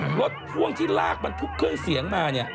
เพราะว่าพวงที่ลากมันพุกเครื่องเสียงมาเนี่ย